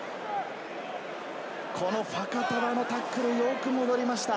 このファカタヴァのタックル、よく戻りました。